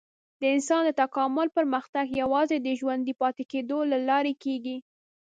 د انسان د تکامل پرمختګ یوازې د ژوندي پاتې کېدو له لارې کېږي.